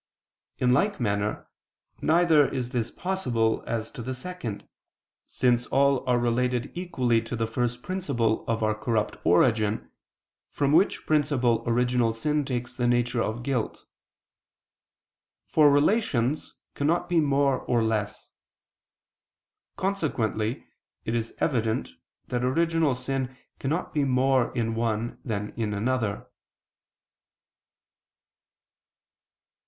In like manner, neither is this possible, as to the second: since all are related equally to the first principle of our corrupt origin, from which principle original sin takes the nature of guilt; for relations cannot be more or less. Consequently it is evident that original sin cannot be more in one than in another.